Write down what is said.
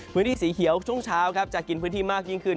พื้นที่สีเขียวช่วงเช้าครับจะกินพื้นที่มากยิ่งขึ้น